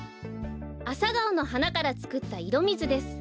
アサガオのはなからつくったいろみずです。